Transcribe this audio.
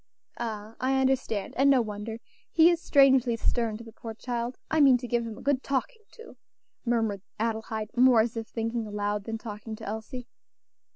"Ah, I understand! and no wonder; he is strangely stern to the poor child. I mean to give him a good talking to," murmured Adelaide, more as if thinking aloud than talking to Elsie.